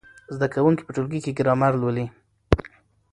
زده کوونکي په ټولګي کې ګرامر لولي.